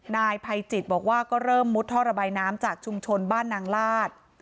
นายภัยจิตบอกว่าก็เริ่มมุดท่อระบายน้ำจากชุมชนบ้านนางลาด